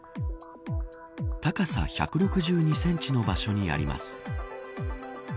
高さ１６２センチの場所にあります。